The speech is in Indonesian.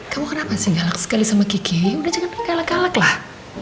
kamu kenapa sih galak sekali sama kiki udah jangan galak galak lah